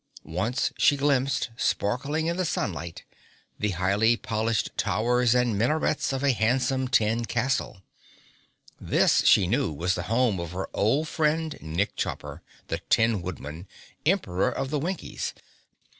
Once she glimpsed, sparkling in the sunlight, the highly polished towers and minarets of a handsome tin castle. This, she knew, was the home of her old friend Nick Chopper the Tin Woodman, Emperor of the Winkies.